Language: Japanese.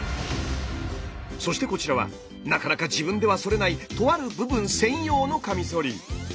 そしてこちらはなかなか自分ではそれないとある部分専用のカミソリ。